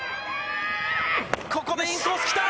ここでインコースきた！